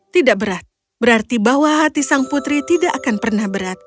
tidak berat berarti bahwa hati sang putri tidak akan pernah berat